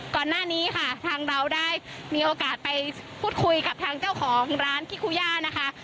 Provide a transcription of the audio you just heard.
ก่อนหน้านี้ค่ะทางเราได้มีโอกาสไปพูดคุยกับทางเจ้าของร้านคิคูย่านะคะ